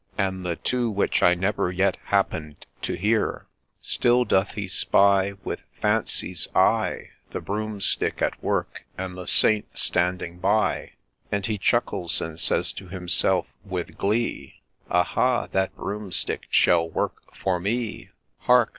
And the two which I never yet happen'd to hear. A LAY OF ST. DUNSTAN 139 Still doth he spy, With Fancy's eye, The Broomstick at work, and the Saint standing by, And he chuckles, and says to himself, with glee, ' Aha 1 that Broomstick shall work for me I ' Hark